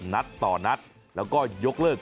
นัดต่อนัดแล้วก็ยกเลิก